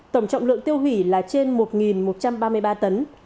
tổng trọng lượng tiêu hủy là trên một một trăm ba mươi ba tấn